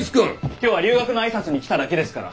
今日は留学の挨拶に来ただけですから。